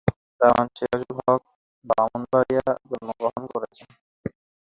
দেওয়ান সিরাজুল হক ব্রাহ্মণবাড়িয়া জন্মগ্রহণ করেন।